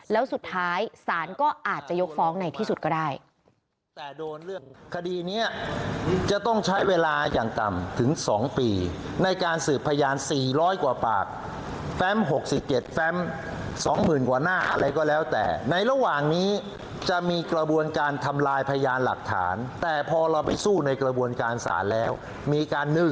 แล้วสุดท้ายศาลก็อาจจะยกฟ้องในที่สุดก็ได้